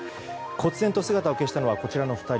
忽然と姿を消したのはこちらの２人。